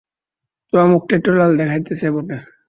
তোমার মুখটা একটু লাল দেখাইতেছে বটে।